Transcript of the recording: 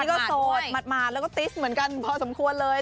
นี่ก็โสดหมาดแล้วก็ติ๊สเหมือนกันพอสมควรเลย